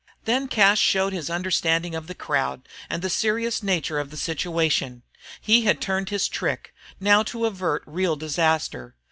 Then Cas showed his understanding of the crowd and the serious nature of the situation. He had turned his trick; now to avert real disaster.